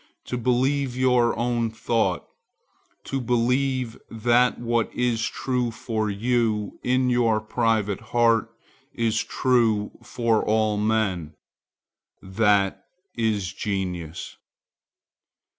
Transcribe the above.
To believe your own thought, to believe that what is true for you in your private heart is true for all men,—that is genius.